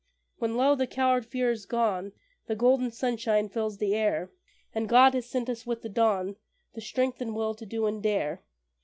When, lo! the coward fear is gone The golden sunshine fills the air, And God has sent us with the dawn The strength and will to do and dare.